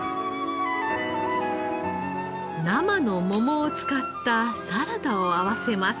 生の桃を使ったサラダを合わせます。